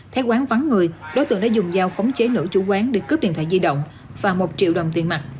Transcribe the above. thấy quán vắng người đối tượng đã dùng dao khống chế nữ chủ quán để cướp điện thoại di động và một triệu đồng tiền mặt